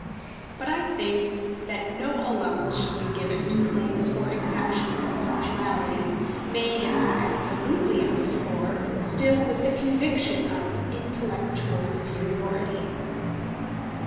But I think that no allowance should be given to claims for exemption from punctuality, made if not absolutely on the score still with the conviction of intellectual superiority.